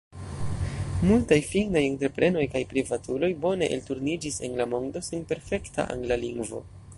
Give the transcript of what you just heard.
Multaj finnaj entreprenoj kaj privatuloj bone elturniĝis en la mondo sen perfekta angla lingvo.